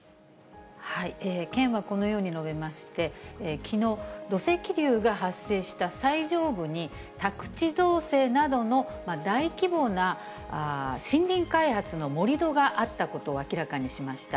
県はこのように述べまして、きのう、土石流が発生した最上部に、宅地造成などの大規模な森林開発の盛り土があったことを明らかにしました。